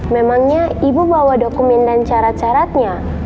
memangnya ibu bawa dokumen dan carat caratnya